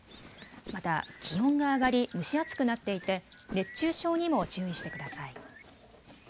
また気温が上がり蒸し暑くなっていて熱中症にも注意してください。